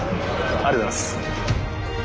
ありがとうございます。